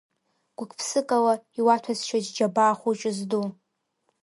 Гәыкԥсыкала иуаҭәасшьоит сџьабаа хәыҷы зду…